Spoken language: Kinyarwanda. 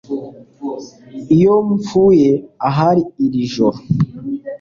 Iyo mpfuye ahari iri joro